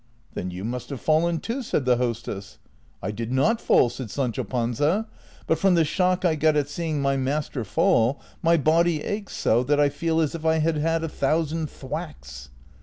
" Then you must have fallen too," said the hostess. " I did not fall," said Sancho Panza, " but from the shock I got at seeing my master fall, my body aches so that I feel as if I had had a thousand thwacks."